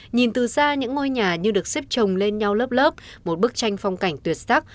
nhìn từ xa những ngôi nhà như được xếp trồng lên nhau lớp lớp một bức tranh phong cảnh tuyệt sắc